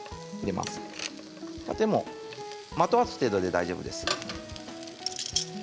まとわす程度で大丈夫です。